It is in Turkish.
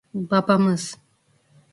Babamız…